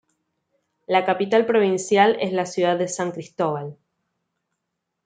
La capital provincial es la ciudad de San Cristóbal.